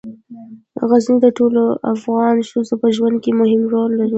غزني د ټولو افغان ښځو په ژوند کې مهم رول لري.